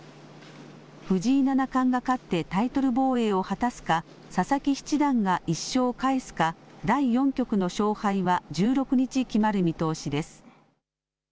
藤井七冠が勝ってタイトル防衛を果たすか、佐々木七段が１勝を返すか、第４局の勝敗は１６日決まる見通しです。